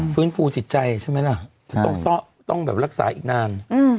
ฟื้นฟูจิตใจใช่ไหมล่ะจะต้องซ่อต้องแบบรักษาอีกนาน